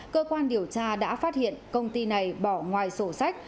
cơ quan điều tra đã phát hiện công ty này bỏ ngoài sổ sách